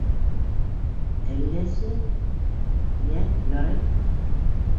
Әлләсе... йә, ярай.